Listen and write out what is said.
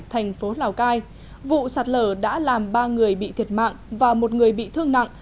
thành phố lào cai vụ sạt lở đã làm ba người bị thiệt mạng và một người bị thương nặng